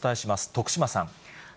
徳島さん。